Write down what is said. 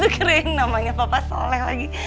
keren namanya papa soleh lagi